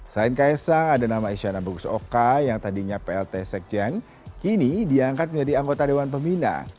selain ksam ada nama isyana bogusoka yang tadinya plt sekjeng kini diangkat menjadi anggota dewan pemina